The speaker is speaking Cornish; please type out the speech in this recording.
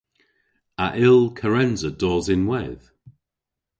A yll Kerensa dos ynwedh?